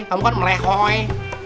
kamu kan melehoi